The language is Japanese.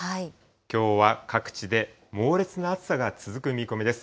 きょうは各地で猛烈な暑さが続く見込みです。